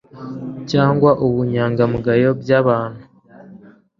cyangwa ubunyangamugayo by abantu